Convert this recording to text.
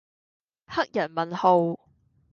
黑人問號